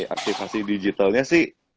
aktivasi digitalnya sih